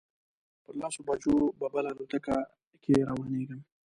پر لسو بجو به بله الوتکه کې روانېږم.